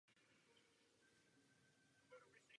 Obec se skládá ze sedmi částí.